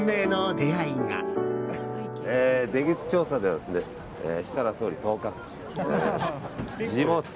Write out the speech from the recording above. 出口調査では設楽総理、当確。